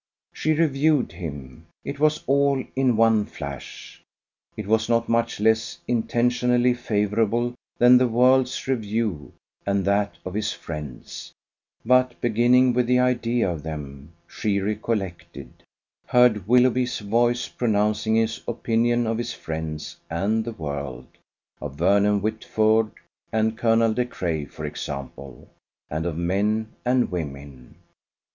She reviewed him. It was all in one flash. It was not much less intentionally favourable than the world's review and that of his friends, but, beginning with the idea of them, she recollected heard Willoughby's voice pronouncing his opinion of his friends and the world; of Vernon Whitford and Colonel De Craye for example, and of men and women.